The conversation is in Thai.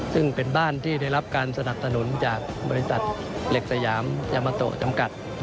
ซึ่งเป็นบ้านที่ได้รับการสนับสนุนจากบริษัทเหล็กสยามยามาโตจำกัด